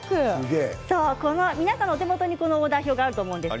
皆さんのお手元にオーダー表があると思います。